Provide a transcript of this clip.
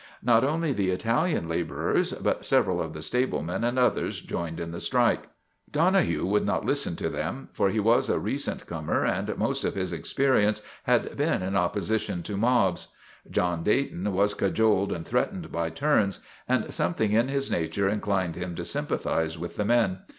Not only the Italian laborers, but several of the stablemen and others joined in the strike. Donohue would not listen to them, for he was a recent comer and most of his experience had been in opposition to mobs. John Dayton was cajoled and threatened by turns, and something in his nature inclined him to sympathize with the men.